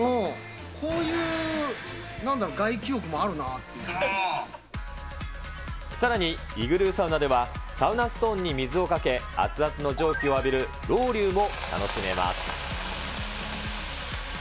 そういうなんだろう、さらに、イグルーサウナでは、サウナストーンに水をかけ、熱々の蒸気を浴びるロウリュウも楽しめます。